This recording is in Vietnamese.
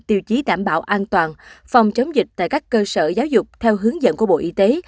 tiêu chí đảm bảo an toàn phòng chống dịch tại các cơ sở giáo dục theo hướng dẫn của bộ y tế